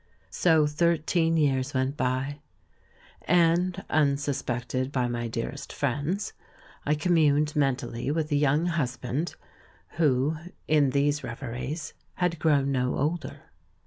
So thirteen years went by — and, unsuspected by my dearest ' friends, I communed mentally with a young hus band, who, in these reveries, had grown no older.